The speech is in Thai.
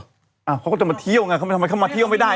เขาก็จะมาเที่ยวไงเขาทำไมเขามาเที่ยวไม่ได้